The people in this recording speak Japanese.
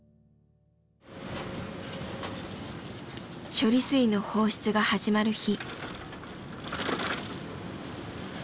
処理水の放出が始まる日。